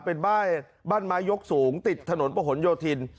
เป็นบ้านไม้ยกสูงติดถนนประหลโยธิน